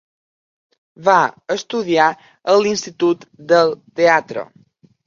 Va estudiar a l'Institut del Teatre.